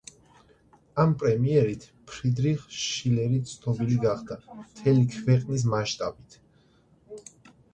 ამ პრემიერით ფრიდრიხ შილერი ცნობილი გახდა მთელი ქვეყნის მასშტაბით.